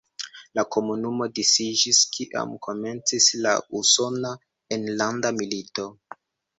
La komunumo disiĝis, kiam komencis la Usona Enlanda Milito.